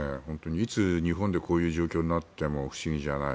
いつ、日本でこういう状況になっても不思議じゃない。